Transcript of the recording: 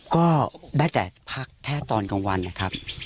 ก็ได้แต่พักแค่ตอนกลางวันนะครับ